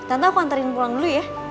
tante aku antarin pulang dulu ya